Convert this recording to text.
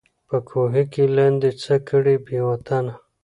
په کوهي کي لاندي څه کړې بې وطنه